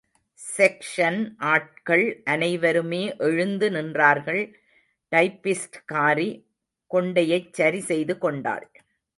Section ஆட்கள் அனைவருமே எழுந்து நின்றார்கள் டைப்பிஸ்ட்காரி கொண்டையை சரிசெய்து கொண்டாள்.